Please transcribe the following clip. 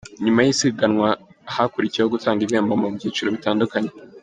Nyuma y’isganwa hakurikiyeho gutanga ibihembo mu byiciro bitandukanye